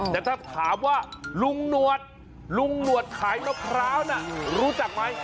แต่ถ้าถามว่าลุงหนวดลุงหนวดขายมะพร้าวน่ะรู้จักไหม